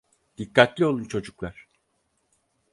Dikkatli olun çocuklar.